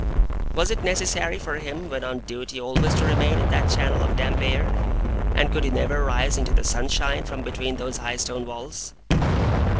Was it necessary for him when on duty always to remain in that channel of damp air, and could he never rise into the sunshine from between those high stone walls?